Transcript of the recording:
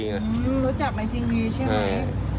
อือรู้จักในวีตรีใช่ไหม